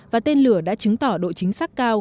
và tên lửa đã chứng tỏ độ chính xác cao